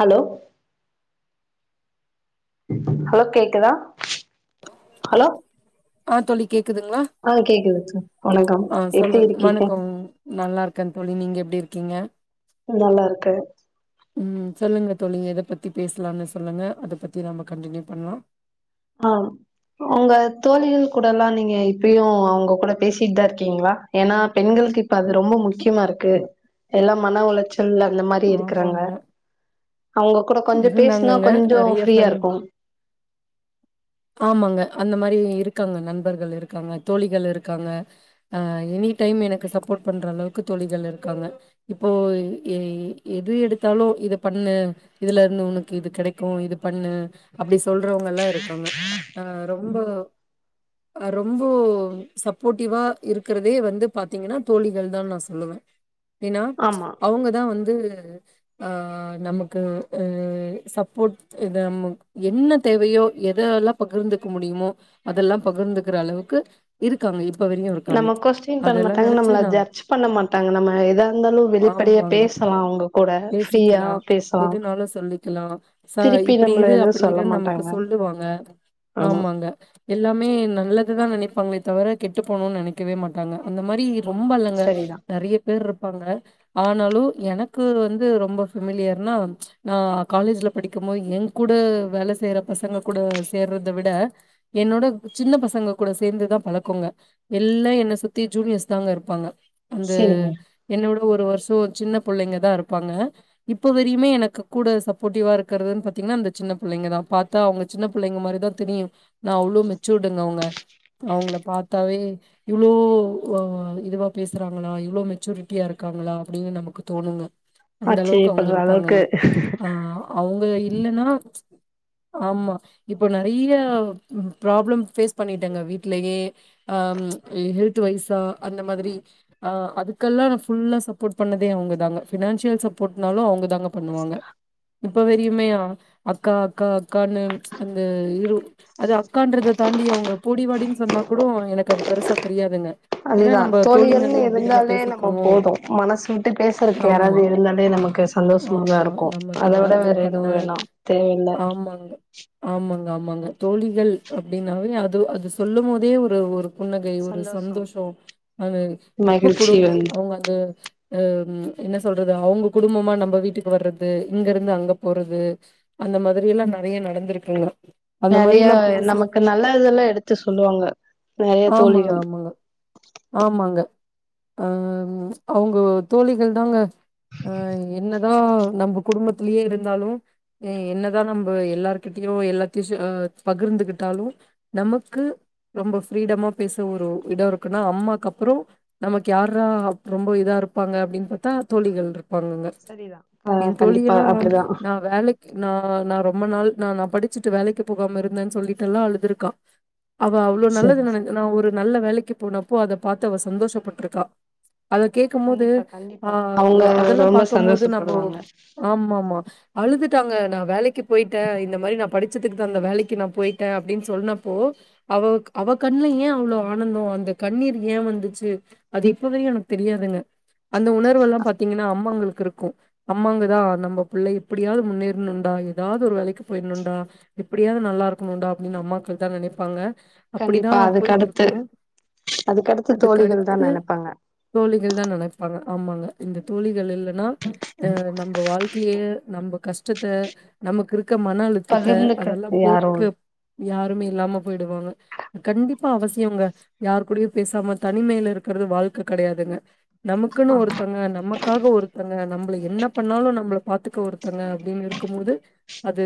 Hello hello கேக்குதா hello ஆ தோழி கேக்குதுங்ளா ஆ கேக்குது சொல் வணக்கம் எப்டி இருக்கீங்க நல்லாருக்கே தோழி நீங்க எப்டி இருக்கீங்க நல்லா இருக்க ம் சொல்லுங்க தோழி நீங்க எதப் பத்தி பேசலான்னு சொல்லுங்க அத பத்தி நாம கண்டினியூ பண்ணலா ஆ உங்க தோழிகள் கூட எல்லா நீங்க இப்பயு அவங்க கூட பேசிட்தா இருக்கீங்களா ஏன்னா பெண்களுக்கு இப்ப அது ரொம்ப முக்கியமா இருக்கு எல்லா மன உளச்ச சல் அந்த மாரி இருக்கறாங்க ஆமாங்க அவங்க கூட கொஞ்சோ பேசனா இருந்தாங்கங்க கொஞ்சோ நெறைய ஃப்ரீயா ஃப்ரெண்ட் இருக்கு ஆமாங்க அந்த மாரி இருக்காங்க நண்பர்கள் இருக்காங்க தோழிகள் இருக்காங்க ஆ எனி டைம் எனக்கு சப்போட் பண்ற அளவுக்கு தோழிகள் இருக்காங்க இப்போ எ எது எடுத்தாலு இத பண்ணு இதுல இருந்து உனக்கு இது கெடைக்கு இது பண்ணு அப்படி சொல்றவங்கல்லா இருக்காங்க ஆ ரொம்ப ஆ ரொம்ப சப்போட்டிவா இருக்கறதே வந்து பாத்தீங்கன்னா தோழிகள்தான் நா சொல்லுவ ஏன்னா ஆமா அவங்க தா வந்து ஆ நமக்கு ஆ சப்போட் இது நம்ம என்ன தேவையோ எதெல்லா பகிர்ந்துக்க முடியுமோ அதெல்லா பகிர்ந்துக்கற அளவுக்கு இருக்காங்க இப்ப வரையு இருக்காங்க நம்ம கொஸ்டின் பண்ண அதெல்லா மாட்டாங்க நெனச்சு நம்மள நா ஜட்ஜ் பண்ண மாட்டாங்க நம்ம எதா இருந்தாலு அ வெளிப்படையா ஆமாங்க பேசலா அவங்க கூட ஃப்ரீயா பேசிக்கலா பேசலா எதுனாலு ச சொல்லிக்கலா சா திருப்பி இப்படி நம்மள இரு எதுவு அப்படி சொல்ல இருன்னு நமக்கு மாட்டாங்க சொல்லுவாங்க ஆமா ங்க எல்லாமே நல்லதுதா நெனைப்பாங்களே தவர கெட்டு போணுன்னு நெனைக்க க்கவே மாட்டாங்க அந்த மாரி ஆமா ரொம்பல்லங்க சரிதா நெறய பேர் இருப்பாங்க ஆனாலு எனக்கு வந்து ரொம்ப பெமிலியர்னா நா காலேஜ்ல படிக்கும்போது ஏன் கூட வேல செய்ற பசங்க கூட சேர்றத விட என்னோட சின்ன பசங்க கூட சேந்துதா பழக்கோங்க எல்லா என்ன சுத்தி ஜூனியர்ஸ் தாங்க இருப்பாங்க அந்த சரிங்க என்ன விட ஒரு வருஷோ சின்ன புள்ளைங்க தா இருப்பாங்க இப்ப வரையுமே எனக்கு கூட சப்போட்டிவா இருக்கறதுன் பாத்தீங்கன்னா அந்த சின்ன புள்ளைங்க தா பாத்தா அவங்க சின்ன புள்ளங்க மாரிதா தெரியு ஆனா அவ்ளோ மெச்சூர்டுங்க அவங்க அவங்கள பாத்தாவே இவ்வளோ அ இதுவா பேசுறாங்களா இவ்ளோ அ இதுவா பேசறாங்களா இவ்ளோ மெச்சூரிட்டியா இருக்காங்களா அப்டின்னு நமக்கு தோணுங்க அந்தளவுக்கு அவங்க ஆச்சரியப்படுற அளவுக்கு இருப்பாங்கங்க ஆ அவுங்க இல்லன்னா ஆமா இப்ப நெறையா ப்ராப்ளம் ஃபேஸ் பண்ணிட்டங்க வீட்லயே ஆ ஹெல்த்து வய்சா அந்த மாதிரி ஆ அதுக்கல்லா ஃபுல்லா சப்போட் பண்ணதே அவங்க தாங்க பினான்ஷியல் சப்போட்னாலு அவங்க தாங்க பண்ணுவாங்க இப்ப வெறையுமோ அக்கா அக்கா அக்கான்னு அந்த இரு அது அக்கான்றத தாண்டி அவங்க போடிவாடின்னு சொன்னா கூடோ எனக்கு அது பெருசா தெரியாதுங்க ஏன்னா அதுதா நம்ம தோழிகள்ன்னு தோழிங்கல்லா அப்படித்தானே இருந்தாலே நம்ம பேசிக்குவோ போது மனசு விட்டு பேசறக்கு யாராவது ஆமா இருந்தாலே நமக்கு சந்தோஷமாதா ஆமா இருக்கு நமக்கு அத விட வேற ஆறுதல் பண்ண எதுவு வேணா தேவல்ல ஆமாங்க ஆமாங்க ஆமாங்க தோழிகள் அப்டினாவே அது அது சொல்லும் போதே ஒரு ஒரு புன்னகை ஒரு சந்தோஷம் சந்தோஷோ அது இப்ப மகிழ்ச்சி குடுங்க வந்து அவங்க அந்த அ ம் என்ன சொல்றது அவங்க குடும்பமா நம்ம வீட்டுக்கு வர்றது இங்க இருந்து அங்க போறது அந்த மாதிரி எல்லா நெறைய நடந்துருக்குங்க நெறியா நமக்கு நல்ல தெல்லா எடுத்து சொல்லுவாங்க நெறைய ஆமாங்க தோழிகள் ஆமாங்க ஆமாங்க அ அவங்க தோழிகள் தாங்க அ என்னதா நம்ம குடும்பத்துலயே இருந்தாலு அ என்னதா நம்ம எல்லார்கிட்டயு எல்லாத்தையு சொ அ பகிர்ந்துகிட்டாலு நமக்கு ரொம்ப ஃப்ரீடம்மா பேச ஒரு இடோ இருக்குன்னா அம்மாக்கப்றோ நமக்கு யார்ரா அப் ரொம்ப இதா இருப்பாங்க அப்படின் பாத்தா தோழிகள்ருப் பாங்கங்க சரிதா ஆ என் கண்டிப்பா தோழிகள்லாம் அப்டிதா நா வேலைக் கு நா நா ரொம்ப நாள் நா நா படிச்சிட்டு வேலைக்கு போகாம இருந்தன் சொல்லீட்டெல்லா அழுதுருக்கா அவ அவ்ளோ நல்லது சரி நென நா ஒரு நல்ல வேலைக்கு போனப்போ அத பாத்து அவ சந்தோஷப்பட்ருக்கா அத கேக்கும்மோது கண்டிப்பா அ கண்டிப்பா அவங்க அதெல்லா ரொம்ப பாக்கம்மோது நம்போ சந்தோஷப்படுவாங்க ஆமா ஆமா அழுதுட்டாங்க நா வேலைக்கு போய்ட்டே இந்த மாரி நா படிச்சதுக்கு தகுந்த வேலைக்கு நா போய்ட்டே அப்டின் சொன்னப்போ அவ அவ கண்ல ஏ அவ்ளோ ஆனந்தோ அந்த கண்ணீர் ஏ வந்துச்சு அது இப்பவரையு எனக் தெரியாதுங்க அந்த உணர்வெல்லா பாத்தீங்கன்னா அம்மாங்களுக் இருக்கு அம்மாங்கதா நம்ம பிள்ள எப்டியாவ்து முன்னேற்ணுன்டா எதாவ்து ஒரு வேலைக்கு போயிர்ணுன்டா எப்டியாவ்து நல்லாருக்கணுன்டா அப்டின் அம்மாக்கள் தா நெனைப்பாங்க அப்டிதா கண்டிப்பா அதுக்கடுத்து போய்ட்ருக்கு அதுக்கடுத்து தோழிகள் தா அதுக்கடுத்து நெனைப்பாங்க தோழிகள் தா நெனைப்பாங்க ஆமாங்க இந்த தோழிகள் இல்லனா அ நம்ப வாழ்க்கைய நம்ப கஷ்டத்த நமக்கிருக்க மன அழு த்தத்த பகிர்ந்துக்க அதெல்லா யாரும் போக்க யாருமே இல்லாம போய்டுவாங்க கண்டிப்பா அவசியோங்க யாரு கூடயு பேசாம தனிமைல இருக்கறது வாழ்க்க கெடயாதுங்க நமக்குன்னு ஒருத்தங்க நம க்காக ஒருத்தங்க நம்பள என்ன பண்ணாலு நம்பள பாத்துக்க ஒருத்தங்க அப்டின் இருக்கம்மோது அது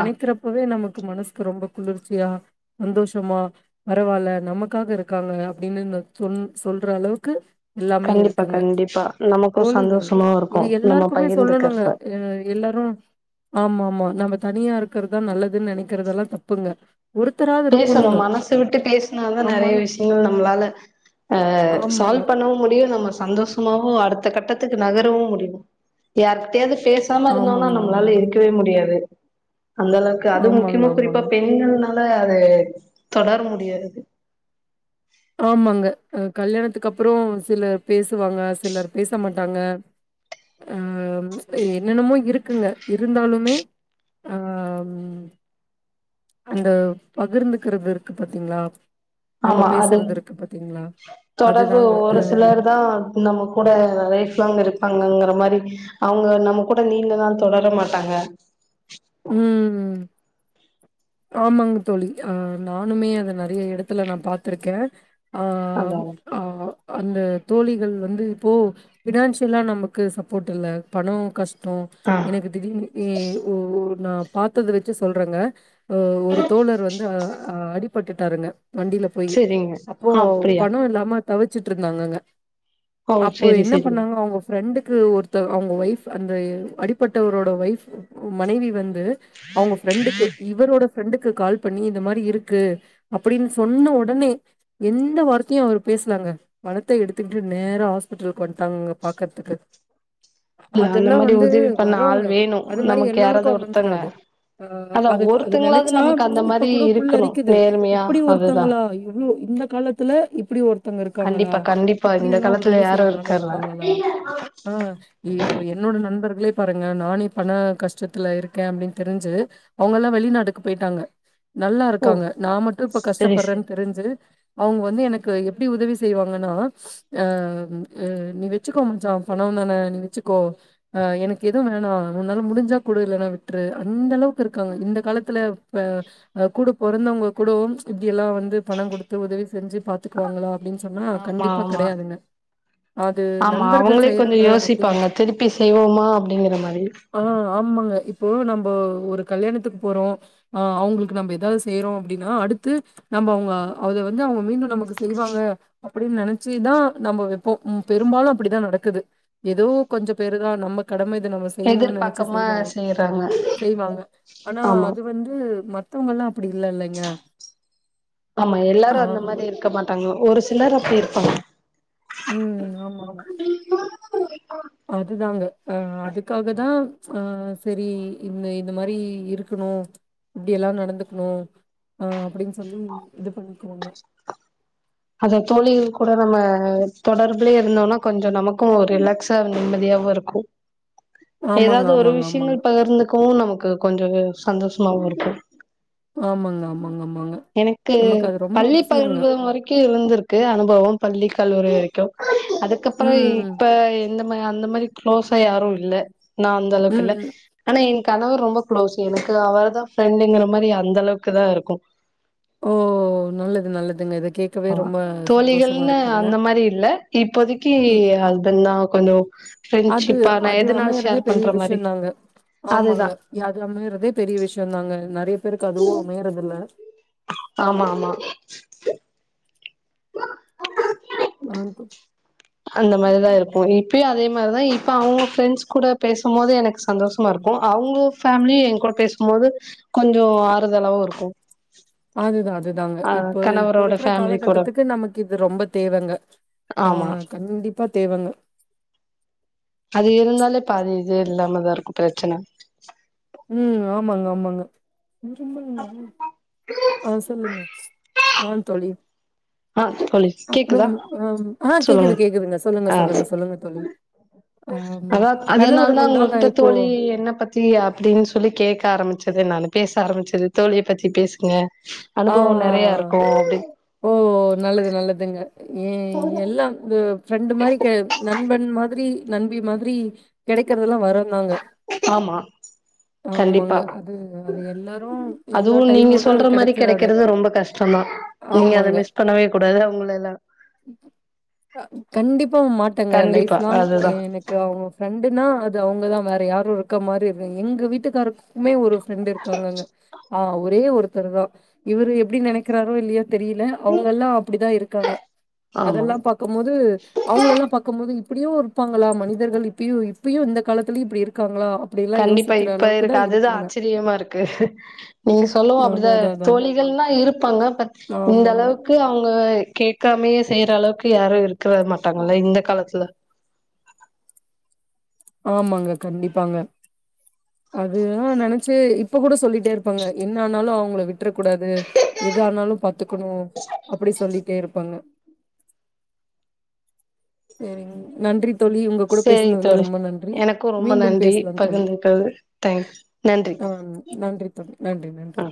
ஆ நமக்கு மனஸ்க்கு ரொம்ப குளிர்ச்சியா சந்தோஷமா பரவால்ல நமக்காக இருக்காங்க அப்டினு இன்னோர் தொல் சொல்ற அளவுக்கு எல்லாமே கண்டிப்பா இருக்குங்க கண்டிப்பா நமக்கும் தோழிகள் சந்தோஷமா இது இருக்கும் நம்ம எல்லார்க்குமே சொல்லணுங்க பகிர்ந்துக்கிறப்ப அ எல்லாரு ஆமா ஆமா நாம தனியா இருக்கற்தா நல்லதுன் நெனைக்கிறதெல்லா தப்புங்க ஒருத்தரால் பேசணு மனசு விட்டு பேஸ் இன்னு நல்லா நெறைய ஆமான்னு விஷ்யங்கள் நம்ளால அ ஆமாங்க. சால்வ் பண்ணவு முடியு நம்ம சந்தோஷ மாவு அடுத்த கட்டத்துக்கு நகரவு முடியு யார்கிட்டயாது பே சாம இருந்தோன்னா ஆமாங்க, நம்ளால ஆமாங்க. இருக்கவே முடியாது அந்தளவுக்கு அது ஆமாங்க, முக்கியமா குறிப்பா ஆமாங்க. பெண்கள் னால அது தொடர முடியாது ஆமாங்க அ கல்யாணத்துக்கப்பறோ சிலர் பேசுவாங்க சிலர் பேச மாட்டாங்க அ என்னென்னமோ இருக்குங்க இருந்தாலுமே அம் அந்த பகிர்ந்துக்கிறதிருக்கு பாத்தீங்ளா ஆமா அது தொடர்பு அதுதாங்க. அ ஒரு சிலர் தா நம்ம கூட லைஃப்லாங் இருப்பாங்கங்கிற மாரி அவுங்க நம்ம கூட நீண்டநாள் தொடர மாட்டாங்க ம் ம் ஆமாங்க தோழி அ நானுமே அத நெறைய இடத்துல நா பாத்திருக்கே அ அதா அ அந்த தோழிகள் வந்து இப்போ ஃபினான்சியலா நமக்கு சப்போட் இல்ல பணோ கஷ் டோ ஆ எனக்கு திடீர்னு ஏ ஓ நா பாத்தத வெச்சு சொல்றங்க ஓ ஒரு தோழர் வந்து அ ஆ அடிபட்டுட்டாருங்க வண்டில போயி செரிங்க அப்போ ஆ அப்டியா பணோ இல்லாம தவிச்சிட்ருந்தாங்கங்க ஓ அப்போ செரி என்ன செரிங்க பண்ணாங்க அவுங்க ஃப்ரெண்டுக்கு ஒரு த்த அவுங்க ஒய்ஃபு அந்த அ அடிப்பட்டவரோட ஒய்ஃபு உ மனைவி வந் து அவுங்க ஃப்ரெண்டுக்கு இவரோட ஃப்ரெண்டுக்கு கால் பண்ணி இந்த மாரி இருக்கு அப்டின் சொன்ன ஒடனே எந்த வார்த்தையு அவர் பேசலங்க பணத்த எடுத்துக்கிட்டு நேரா ஹாஸ்பிட்லுக்கு வன்ட்டாங்கங்க பாக்கற்துக்கு இல்ல அந்த அதெல்லா மாரி வந்து உதவி பண்ண ஆள் வரோங்க வேணு அது மாரி நமக்கு எல்லாருக்கு யாராவது ஒருத்தங்க அமஞ்சிராது ஆ அதா அதுக்கு அது ஒருத்தங்களாவது நெனச்சா நமக்கு அந்த இப்ப மாரி கூட புல் இருக்கணு அரிக்கிது நேர்மையா இப்டி அதுதா ஒருத்தவ்ங்ளா ஐ யோ இந்த காலத்துல இப்டி ஒரு த்தங்க இருக்காங்களா கண்டிப்பா கண்டிப்பா இந்த எப்டியெல்லா காலத்துல உதவி யாரு செய்ய ஆள் இருக்கறல இருப்பாங்களா ஆ ஏ இப்போ என்னோட நண்பர்களே பாருங்க நானே பண கஷ்டத்துல இரு க்கே அப்டின் தெரிஞ்சு அவுங்கல்லா வெளிநாடுக்கு போய்ட்டாங்க ஓ நல்லாருக்காங்க நா மட்டு இப்ப செரி செரி கஷ்டப்பட்றேன் தெரிஞ்சு அவுங்க வந்து எனக்கு எப்டி உதவி செய்வாங்கன்னா ஆ நீ வெச்சுக்கோ மச்சா பணோ தானே நீ வெச்சுக்கோ ஆ எனக்கு எது வேணா உன்னால முடிஞ்சா குடு இல்லனா வி ட்ரு அந்தளவுக்கு இருக்காங்க இந்த காலத்துல இப்ப அ கூட பொறந்தவங்க கூடோ இப்டியெல்லா வந்து பணொ குடுத்து உதவி செஞ்சு பாத்துக்குவாங்ளா அப்டின் சொன்னா ஆமா கண்டிப்பா ஆமா கெடயாதுங்க ஆமா அவுங்ளே கொஞ்சொ யோசிப்பாங்க திருப்பி செய்வோமா அப்டிங்கற மாரி ஆ ஆமாங்க இப்போ நம்ப ஒரு கல்யாணத்துக்கு போறோ ஆ அவுங்ளுக்கு நம்ப எதா செய்றோ அப்டின்னா அடுத்து நம்ப அவுங்க அத வந்து அவுங்க மீண்டு நமக்கு செய்வாங்க அப்டின் நெனச்சுதா நம்ப வெப்போ பெரும்பாலு அப்டிதா நடக்குது எதோ கொஞ்ச பேருதா நம்ம கடம இது நம்ம செய்யணும்னு நெனச்சு எதிர்பாக்காம செய்வாங்க செய்றாங்க செய்வாங்க ஆனா ஆமா அது வந்து மத்தோங்கல்லா அப்டி இல்லெல்லெங்க ஆ க்க மாட்டாங்க ஒரு சிலர் அப்டி இருப்பாங்க ம் ஆமாமா அதுதாங்க ஆ அதுக்காக தா ஆ செரி இந்த இது மாரி இருக்கனு இப்டியெல்லா நடந்துக்னு ஆ அப்டின் சொல்லி இது பண்ணிக்குவங்க அத தோழி கூட நம்ம தொடர்புலே இருந்தோனா கொஞ்சொ நமக்கு ஒரு ரிலாக்ஸ் ஸா நிம்மதியாவு இருக்கு ஆமாங்க, எதாவ்து ஒரு ஆமாங்க, ஆமாங்க. விஷ்யங்கள் பகிர்ந்துக்கவு நமக்கு கொஞ்சொ சந்தோஷ்மாவுருக்கு ஆமாங்க ஆமாங்க ஆமாங்க எனக்கு நமக்கு அது ரொம்ப பள்ளி அவசியங்க. பருவொ வரைக்கு இருந்திரு க்கு அனுபவம் பள்ளி கல்லூரி வரைக்கு அதுக்கப்றோ ம். இப்ப இந்த மா அந்த மாரி க்ளோஸா யாரு இல்ல நா அந்தளவுக்கு இல்ல ம். ஆனா என் கணவர் ரொம்ப க்ளோஸ் எனக்கு அவர் தா ஃப்ரெண்டுங்ற மாரி அந்தளவுக்கு தாருக்கு ஓ நல்லது நல்லதுங்க இத கே ஆ தோழிகள்னு அந்த மாரி இல்ல இப்போதி க்கி ம். ஹஸ்பண்ட் தா கொஞ்சோ அது ஃப்ரெண்ட்ஷிப்பா நா அது எதுனாலு அமையறதே ஷேர் பெரிய பண்ற மாரி விஷயம் தாங்க. ஆமாங்க அதுதா அது அமையறதே பெரிய விஷ்யொந்தாங்க நறைய பேருக்கு அதுவு அமையறதில்ல ஆமா ஆமா [unintelligible] அந்த மாதிரிதா இருப்போ இப்பயு அதே மாரிதா இப்ப அவுங்க ஃப்ரெண்ட்ஸ் கூட பேசும் போது எனக்கு சந்தோஷ மாருக்கு அவுங்க ஃபேமிலி எ கூட பேசும்போது கொஞ்சொ ஆறுதலாவுருக்கு அதுதா அதுதாங்க இப்ப இப்ப கணவரோட இருக்ற ஃபேமிலி கூட காலகட்டத்துக்கு நமக்கு இது ரொம்ப தேவங்க ஆ ஆமா கண்டிப்பா தேவங்க அது இருந்தாலே பாதி இது இல்லாமதா இருக்கு பிரச்சன ம் ஆமாங்க ஆமாங்க ஆ சொல்லுங்க ஆந் தோழி ஆ சொல் அப்றம் ஆ ஆ கேக்குது கேக்குதுங்க சொல்லுங்க சொல்லுங்க சொல்லுங்கத் தோழி அம் அதாக் அதனால்தா கணவர்கள் தாங்க அங்ககிட்டத் இப்போ தோழி என்னப் பத் த்தி அப்டின் சொல்லி கேக்க ஆரம்பிச்சது நானு பேச ஆரம்பிச்சது தோழியப் பத்தி பேசுங்க ஆ அனுபவோ நெறைய இருக்கு அப்டின் ஓ நல்லது நல்லதுங்க ஏ எல்லாம் ப ஃப்ரெண்டு் மாரி கே நண்பன் மாதிரி நண்பி மாதிரி கெடைக்கறதெல்லா வரந்தாங்க ஆமா ஆமாங்க கண்டிப்பா அது அது எல்லாரு எல்லா டைமொள்ள அது கெடச் கெடைக்கறது ரொம்ப கஷ்டந்தா நீங்க அத ஆமாங்க. மிஸ் பண்ணவே கூடாது அவுங்கள எல்லா கண்டிப்பா மாட்டேங்க லைஃப் கண்டிப்பா லாங் எ அதுதா எனக்கு அவுங்க ஃப்ரெண்டுனா அது அவுங்கதா வேற யாரு இருக்க மாரி இரு எங்க வீட்டுக்காருக்குமே ஒருப் ஃப்ரெண்டு இருக்காங்கங்க ஆ ஒரே ஒருத்தர்தா இவுரு எப்டி நெனைக்றாரோ இல்லியோத் தெரில அவுங்கெல்லா அப்டிதா இருக்காங்க ஆமா அதெல்லாம் பாக்கும்மோது அவுங்ள எல்லாம் பாக்கும் மோது இப்டியு இருப்பாங்களா மனிதர்கள் இப்பியு இப்பியு இந்த காலத்துலியு இப்டி இருக்காங்ளா கண்டிப்பா இப்ப இருக்கு அதுதா ஆச்சரியமா இருக்கு நீங்க சொல்லுவோ அதான் அப்டிதா அதான் அதான். தோழிகள்லா இருப்பாங்க பத் ஆமாங்க. இந்தளவுக் கு அவுங்க கேட்காமையே செய்ற அளவுக்கு யாரு இருக்ற மாட்டாங்கல்ல இந்த காலத்ல ஆமாங்க கண்டிப்பாங்க அதுதா நெனைச்சு இப்ப கூட சொல்லிட்டே இருப்பாங்க என்ன ஆனாலு அவுங்ள விட் விட்றக் கூடாது எது ஆனாலும் பாத்துக்கணு அப்டி சொல்லிட்டே இருப்பாங்க சேரிங் நன்றித் தோழி உங்க கூட சேரி பேசனதுல தோழி ரொம்ப நன்றி எனக்கு ரொம்ப மீண்டும் நன்றி பேசலாம் தோழி பகிர்ந்துக்கிறது தேங்க்ஸ் நன்றி [unintelligible] நன்றித் தோழி நன்றி நன்றி ஆ